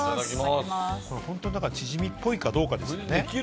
これ本当、チヂミっぽいかどうかですよね。